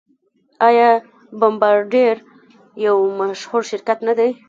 آیا بمبارډیر یو مشهور شرکت نه دی؟